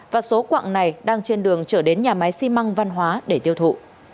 và số quạng này đang trên đường trở đến nhà máy xi măng văn hóa để tiêu thụ